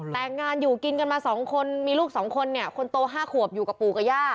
แต่งงานอยู่กินกันมา๒คนมีลูก๒คนเนี่ยคนโต๕ขวบอยู่กับปู่กับย่า